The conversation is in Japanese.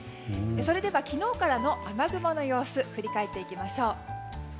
それでは昨日からの雨雲の様子振り返っていきましょう。